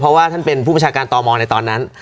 เพราะว่าท่านเป็นผู้ประชาการตมในตอนนั้น